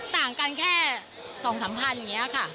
ต่างกันแค่๒๓๐๐๐บาทอย่างนี้ค่ะ